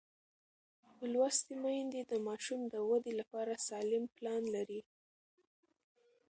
لوستې میندې د ماشوم د وده لپاره سالم پلان لري.